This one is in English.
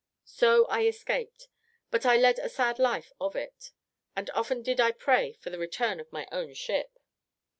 So I escaped; but I led a sad life of it, and often did I pray for the return of my own ship.